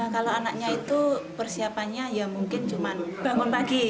kalau anaknya itu persiapannya ya mungkin cuma bangun pagi